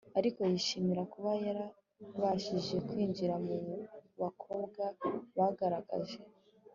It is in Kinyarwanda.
ariko yishimira kuba yarabashije kwinjira mu bakobwa bagaragaje